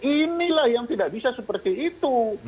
inilah yang tidak bisa seperti itu